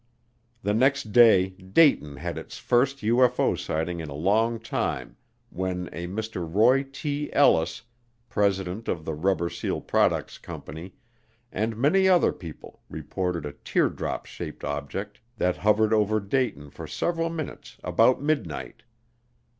The next day Dayton had its first UFO sighting in a long time when a Mr. Roy T. Ellis, president of the Rubber Seal Products Company, and many other people, reported a teardrop shaped object that hovered over Dayton for several minutes about midnight.